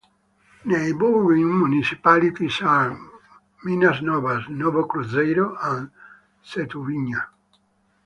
Neighboring municipalities are: Minas Novas, Novo Cruzeiro, and Setubinha.